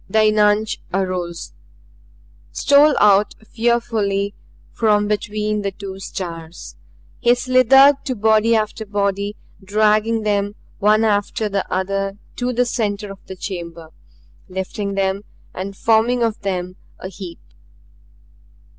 The eunuch arose, stole out fearfully from between the two stars. He slithered to body after body, dragging them one after the other to the center of the chamber, lifting them and forming of them a heap.